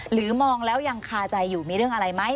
หรือมองแล้วยังคาใจอยู่มีเรื่องอะไรไหม